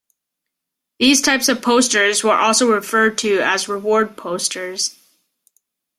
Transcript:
These types of posters were also referred to as reward posters.